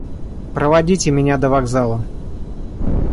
– Проводите меня до вокзала.